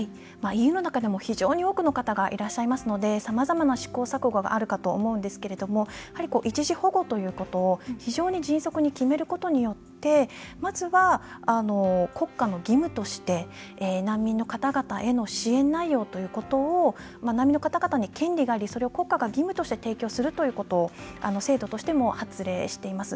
ＥＵの中でも非常に多くの方がいらっしゃいますのでさまざまな試行錯誤があるかと思うんですけれどもやはり、一時保護ということ迅速に決めることによってまずは国家の義務として難民の方々への支援内容というのを難民の方々に権利がありそれを国が義務としてする制度としても発令しています。